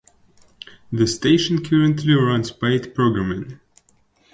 The station currently runs paid programming.